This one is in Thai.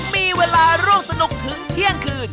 มีเวลาร่วมสนุกถึงเที่ยงคืน